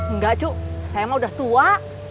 enggak cuk saya mah udah tua